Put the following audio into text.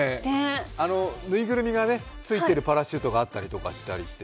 ぬいぐるみがついてるパラシュートがあったりして。